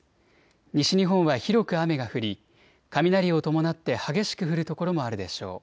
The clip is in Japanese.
西日本は広く雨が降り雷を伴って激しく降る所もあるでしょう。